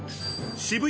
渋谷